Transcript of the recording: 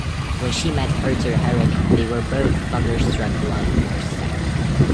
When she met Herzer Herrick, they were both thunderstruck-love at first sight.